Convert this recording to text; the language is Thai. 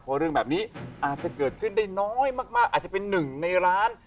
เพราะเรื่องแบบนี้อาจจะเกิดขึ้นได้น้อยมากอาจจะเป็นหนึ่งในร้าน